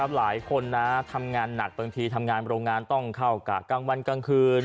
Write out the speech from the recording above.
หลายคนทำงานหนักต้องเข้าอากาศกลางวันกลางคืน